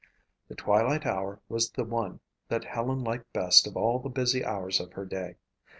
The twilight hour was the one that Helen liked best of all the busy hours of her day.